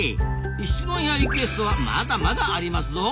質問やリクエストはまだまだありますぞ！